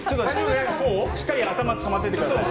しっかり頭につかまってください。